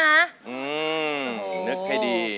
อืมนึกให้ดี